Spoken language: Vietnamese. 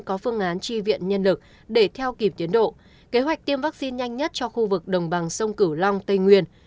có phương án tri viện nhân lực để theo kịp tiến độ kế hoạch tiêm vaccine nhanh nhất cho khu vực đồng bằng sông cửu long tây nguyên